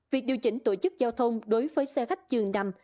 việc điều chỉnh tổ chức giao thông đối với xe khách dường nằm